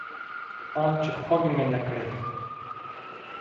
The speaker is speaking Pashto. پام چې خوږ مې نه کړې